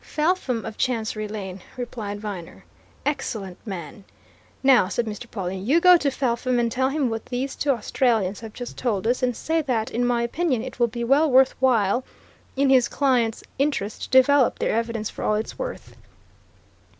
"Felpham, of Chancery Lane," replied Viner. "Excellent man! Now," said Mr. Pawle, "you go to Felpham and tell him what these two Australians have just told us, and say that in my opinion it will be well worth while, in his client's interest, to develop their evidence for all it's worth.